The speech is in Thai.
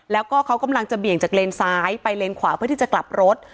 แล้วก็เขากำลังจะเบี่ยงจากเลนซ้ายไปเลนขวาเพื่อที่จะกลับรถ